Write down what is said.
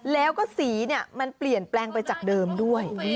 แล้วก็สีมันเปลี่ยนแปลงไปจากเดิมด้วย